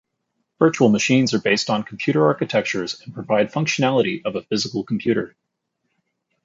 Virtual machines are based on computer architectures and provide functionality of a physical computer.